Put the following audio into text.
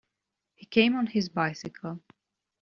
He came on his bicycle.